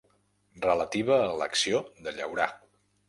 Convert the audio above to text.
Relativa a l'acció de llaurar.